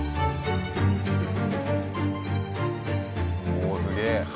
おおすげえ。